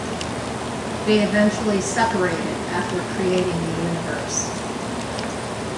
They eventually separated after creating the universe.